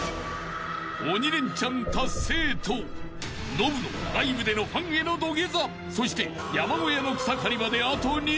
［鬼レンチャン達成とノブのライブでのファンへの土下座そして山小屋の草刈りまであと２曲］